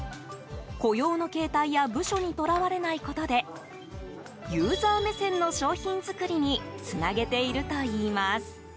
雇用の形態や部署に捉われないことでユーザー目線の商品づくりにつなげているといいます。